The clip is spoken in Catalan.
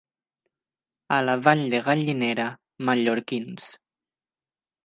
A la Vall de Gallinera, mallorquins.